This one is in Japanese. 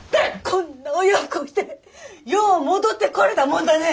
こんな親不孝してよう戻ってこれたもんだね！